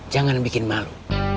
jangan bikin malu